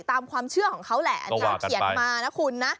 ตามความเชื่อของเขาแหละอันนี้เขาเขียนมานะคุณนะ